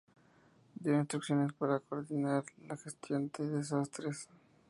Dio instrucciones para coordinar la gestión de desastres.